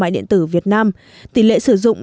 điện tử việt nam tỷ lệ sử dụng